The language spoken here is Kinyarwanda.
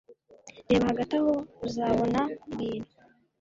Reba hagati aho uzabona ibintu